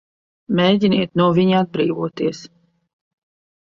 Mēģiniet no viņa atbrīvoties!